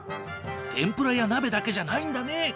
天ぷらや鍋だけじゃないんだね。